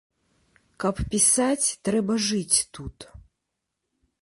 Каб пісаць, трэба жыць тут.